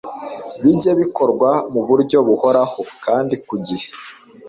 bijye bikorwa mu buryo buhoraho kandi ku gihe